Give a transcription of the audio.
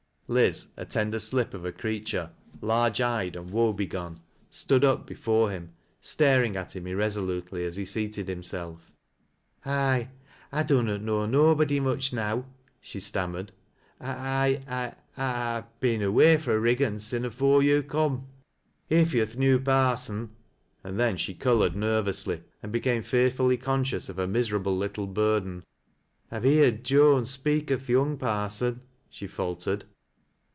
Liz, a slender slip of a creatui'e, large eyed, and woe begone, stood up before him, staring at him irresolutely as he seated himself. " I — I dunnot know nobody much now," she stammered, "I — I've been away fro' Kiggan sin' afore yo' comn— ii yo're th' new parson," and then she colored nervously anil became fearfully conscious of her miserable little burden " I'v3 heerd Joan speak o' th' young parson," she faltered.